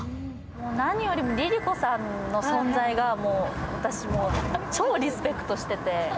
何よりもＬｉＬｉＣｏさんの存在が超リスペクトしてて。